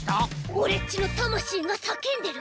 オレっちのたましいがさけんでる！